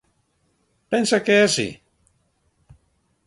Pensa que é así?